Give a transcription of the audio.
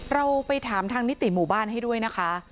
เราไปถามทางนิติหมู่บ้านให้ด้วยนะคะ